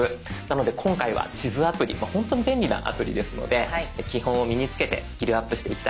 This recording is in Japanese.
なので今回は地図アプリ本当に便利なアプリですので基本を身につけてスキルアップしていきたいと思います。